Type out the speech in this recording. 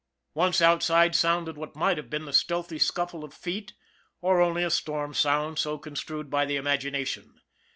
Once outside sounded what might have been the stealthy scuffle of feet or only a storm sound so construed by the imagination.